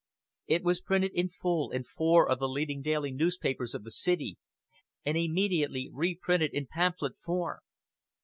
It was printed in full in four of the leading daily papers of the city, and immediately reprinted in pamphlet form.